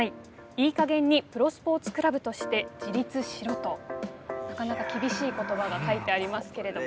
いい加減にプロスポーツクラブとして自立しろ」となかなか厳しい言葉が書いてありますけれども。